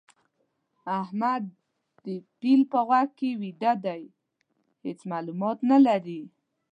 احمد د پيل په غوږ کې ويده دی؛ هيڅ مالومات نه لري.